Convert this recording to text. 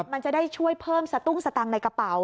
มันจะได้ช่วยเพิ่มสตุ้งสตังค์ในกระเป๋า